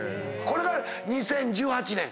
これが２０１８年？